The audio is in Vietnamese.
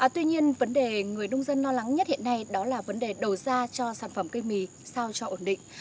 tuy nhiên vấn đề người nông dân lo lắng nhất hiện nay đó là vấn đề đầu ra cho sản phẩm cây mì sao cho ổn định